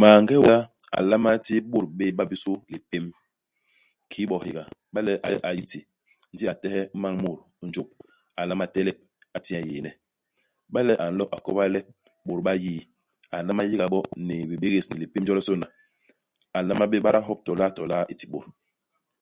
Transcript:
Maange wanda a nlama ti bôt béé ba bisu lipém. Kiki bo hihéga, iba le a yé i ti, ndi a tehe m'mañ u mut u njôp, a nlama telep, a ti nye yééne. Iba le a nlo a koba le bôt ba yii, a nlama yéga bo ni bibégés, ni lipém jolisôna. A nlama bé bada hop to laa to laa i ti i bôt.